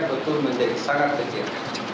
betul menjadi sangat kecil